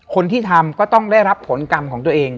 คนที่ทำก็ต้องได้รับผลกรรมของตัวเอง